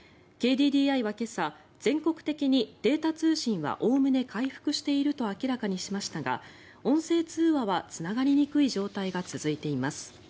ＫＤＤＩは今朝全国的にデータ通信はおおむね回復していると明らかにしましたが音声通話はつながりにくい状態が続いています。